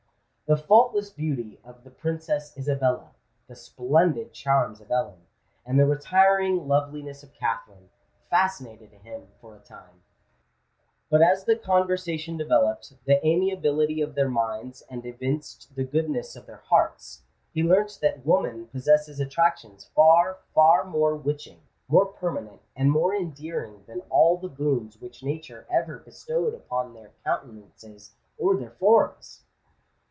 The faultless beauty of the Princess Isabella,—the splendid charms of Ellen,—and the retiring loveliness of Katherine, fascinated him for a time; but as the conversation developed the amiability of their minds and evinced the goodness of their hearts, he learnt that woman possesses attractions far—far more witching, more permanent, and more endearing than all the boons which nature ever bestowed upon their countenances or their forms!